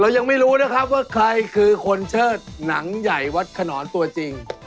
ยังไม่รู้นะครับว่าใครคือคนเชิดหนังใหญ่วัดขนอนตัวจริง